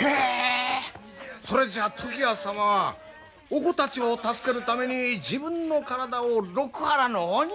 へえそれじゃ常磐様はお子たちを助けるために自分の体を六波羅の鬼に？